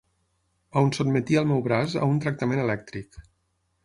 On sotmetia el meu braç a un tractament elèctric